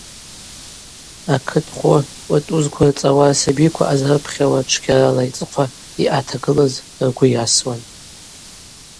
Акыт хвы, пӏатӏу зквырцӏауа, рсабиква азрыпхьауа чвгьарала йцӏыхъва йъатагылыз ргвы йасуан.